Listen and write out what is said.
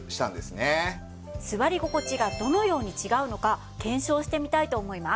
座り心地がどのように違うのか検証してみたいと思います。